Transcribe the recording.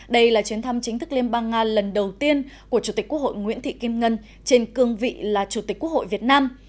đây là chuyến thăm chính thức liên bang nga lần đầu tiên của chủ tịch quốc hội nguyễn thị kim ngân trên cương vị là chủ tịch quốc hội việt nam